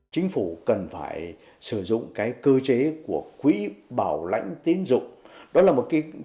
chính phủ cần phải sử dụng cơ chế của quỹ bảo lãnh tiến dụng